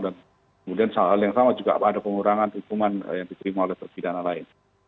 dan kemudian sama sama juga ada pengurangan hukuman yang diterima oleh pidana lain